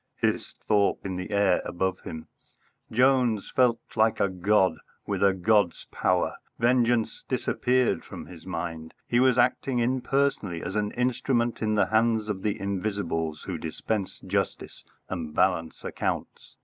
hissed Thorpe in the air above him. Jones felt like a god, with a god's power. Vengeance disappeared from his mind. He was acting impersonally as an instrument in the hands of the Invisibles who dispense justice and balance accounts.